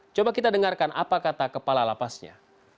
coba kita dengarkan apa kata kepala lapasnya